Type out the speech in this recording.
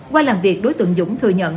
qua làm việc đối tượng dũng thừa nhận